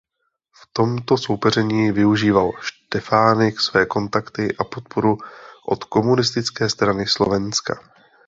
V tomto soupeření využíval Štefánik své kontakty a podporu od Komunistické strany Slovenska.